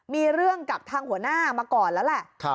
มีเรื่องกับทางหัวหน้ามาก่อนแล้วแหละ